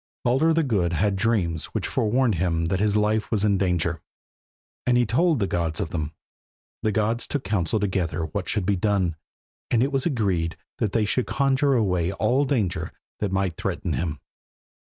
Baldur the Good had dreams which forewarned him that his life was in danger, and he told the gods of them. The gods took counsel together what should be done, and it was agreed that they should conjure away all danger that might threaten him.